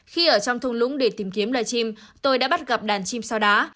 khi ở trong thùng lũng để tìm kiếm loài chim tôi đã bắt gặp đàn chim sau đá